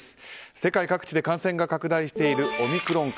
世界各地で感染が拡大しているオミクロン株。